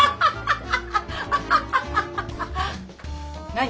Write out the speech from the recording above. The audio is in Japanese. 何？